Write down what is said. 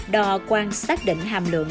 đò quan sát định hàm lượng